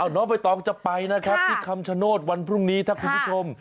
น้องใบตองจะไปนะครับที่คำชโนธวันพรุ่งนี้ถ้าคุณผู้ชม